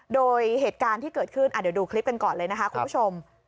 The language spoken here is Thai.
โดยเหตุการณ์ที่เกิดขึ้นเดี๋ยวดูคลิปกันก่อนเลยนะคะคุณผู้ชม